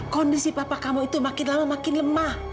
kondisi papa kamu itu makin lama makin lemah